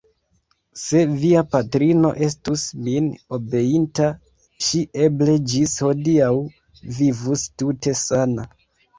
Se via patrino estus min obeinta, ŝi eble ĝis hodiaŭ vivus tute sana.